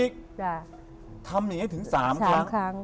ทำอย่างนี้ถึง๓ครั้งครั้ง